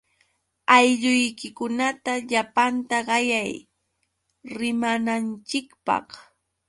Aylluykikunata llapanta qayay rimananchikpaq.